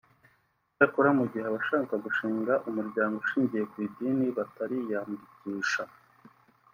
Icyakora mu gihe abashaka gushinga umuryango ushingiye ku idini batariyandikisha